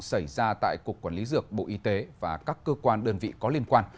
xảy ra tại cục quản lý dược bộ y tế và các cơ quan đơn vị có liên quan